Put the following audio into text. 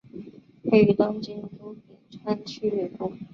位于东京都品川区北部。